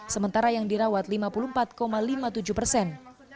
sementara yang dirawat lima puluh empat lima puluh tujuh persen